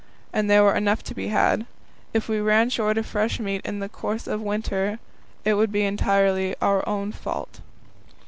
And there were enough to be had. If we ran short of fresh meat in the course of the winter, it would be entirely our own fault.